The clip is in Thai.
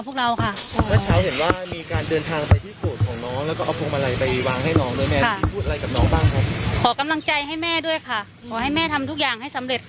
พูดอะไรกับน้องบ้างค่ะขอกำลังใจให้แม่ด้วยค่ะขอให้แม่ทำทุกอย่างให้สำเร็จค่ะ